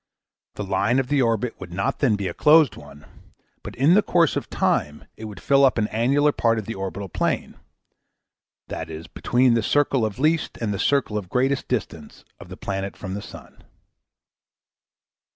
The line of the orbit would not then be a closed one but in the course of time it would fill up an annular part of the orbital plane, viz. between the circle of least and the circle of greatest distance of the planet from the sun.